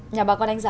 nhà bà con anh giới